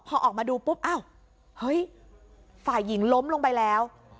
พอออกมาดูปุ๊บอ้าวเฮ้ยฝ่ายหญิงล้มลงไปแล้ว